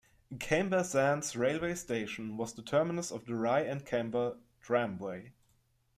Camber Sands railway station was the terminus of the Rye and Camber Tramway.